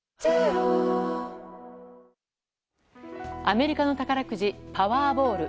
アメリカの宝くじパワーボール。